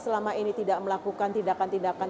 selama ini tidak melakukan tindakan tindakan